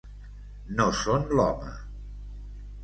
No són l'home.